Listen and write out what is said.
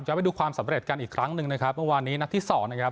ไปดูความสำเร็จกันอีกครั้งหนึ่งนะครับเมื่อวานนี้นัดที่สองนะครับ